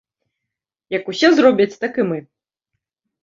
Як усе зробяць, так і мы!